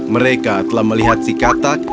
mereka telah melihat si katak